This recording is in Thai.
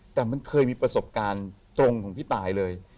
แต่มันเคยมีประสบการณ์ตรงของพี่ตายเลย